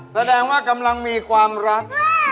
แสดงว่ากำลังมีความรัก